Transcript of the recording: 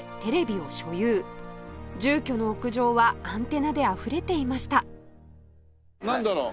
住居の屋上はアンテナであふれていましたなんだろう？